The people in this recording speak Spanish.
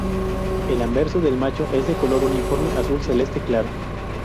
El anverso del macho es de color uniforme azul celeste claro.